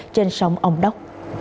trên sông ông đốc